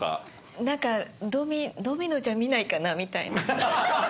何か「ドミノ」じゃ見ないかなみたいな。